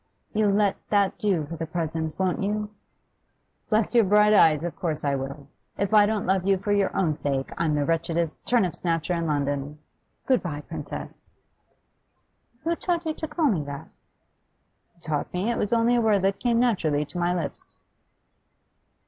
You'll let that do for the present, won't you?' 'Bless your bright eyes, of course I will! If I don't love you for your own sake, I'm the wretchedest turnip snatcher in London. Good bye, Princess!' 'Who taught you to call me that?' 'Taught me? It was only a word that came naturally to my lips.